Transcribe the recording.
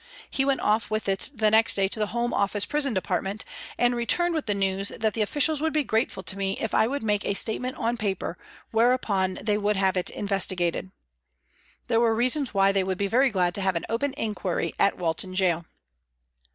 He went off with it the next day to the Home Office Prison Department, and returned with the news that the officials would be grateful to me if I would make a statement on paper, whereupon they would have it investigated. There were reasons why they would be very glad to have an open inquiry at Walton Gaol.